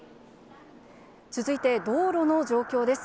続いて、道路の状況です。